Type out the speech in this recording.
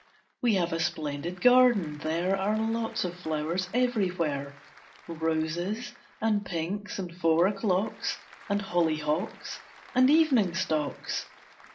We have a splendid garden, there Are lots of flowers everywhere; Roses, and pinks, and four o'clocks And hollyhocks, and evening stocks.